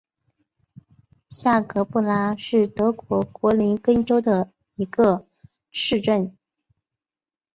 下格布拉是德国图林根州的一个市镇。